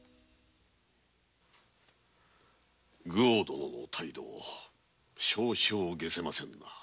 愚翁殿の態度少々解せませぬな。